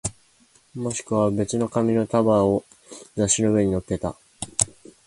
もしくは別の紙の束を雑誌の上に乗っけた